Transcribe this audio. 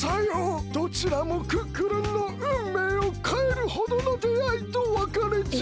どちらもクックルンのうんめいをかえるほどのであいとわかれじゃ。